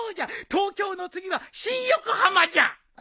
東京の次は新横浜じゃ。